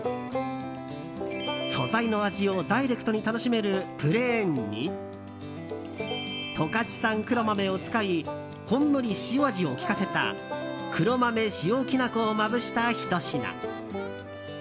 素材の味をダイレクトに楽しめるプレーンに十勝産黒豆を使いほんのり塩味を利かせた黒豆塩きな粉をまぶしたひと品。